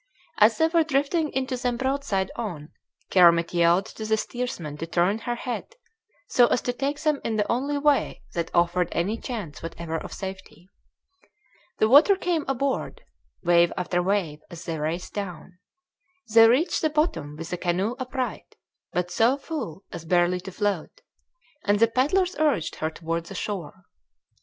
As they were drifting into them broadside on, Kermit yelled to the steersman to turn her head, so as to take them in the only way that offered any chance whatever of safety. The water came aboard, wave after wave, as they raced down. They reached the bottom with the canoe upright, but so full as barely to float, and the paddlers urged her toward the shore.